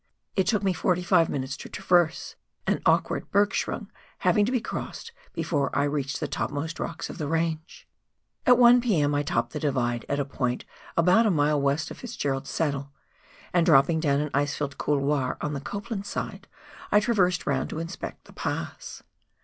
It took me forty five minutes to traverse, an awkward bergschruncl having to be crossed before I reached the topmost rocks of the range. At 1 p.m. I topped the Divide at a point about a mile west of Fitzgerald's Saddle, and dropping down an ice filled couloir on the Copland side, I traversed round to inspect the pass.